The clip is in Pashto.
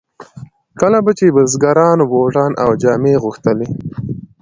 کله به چې بزګرانو بوټان او جامې غوښتلې.